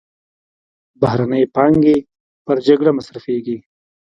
بهرنۍ پانګې پر جګړه مصرفېږي.